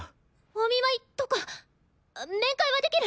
お見舞いとか面会はできる？